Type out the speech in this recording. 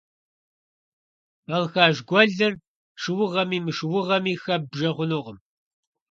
Балхаш гуэлыр шыугъэми мышыугъэми хэббжэ хъунукъым.